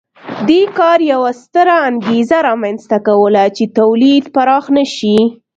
دې کار یوه ستره انګېزه رامنځته کوله چې تولید پراخ نه شي